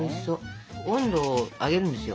温度を上げるんですよ